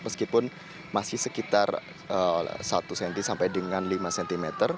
meskipun masih sekitar satu cm sampai dengan lima cm